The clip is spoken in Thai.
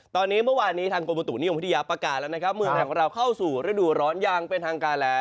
ตอนนี้เมื่อวานนี้ทางกรมบุตุนิยมพัทยาประกาศแล้วนะครับเมืองไทยของเราเข้าสู่ฤดูร้อนอย่างเป็นทางการแล้ว